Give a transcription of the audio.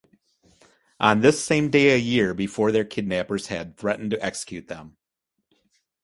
On this same day a year before their kidnappers had threatened to execute them.